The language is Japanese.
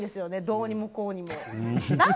どうにもこうにも。